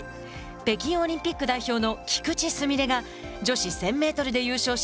北京オリンピック代表の菊池純礼が女子１０００メートルで優勝し